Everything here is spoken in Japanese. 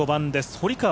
堀川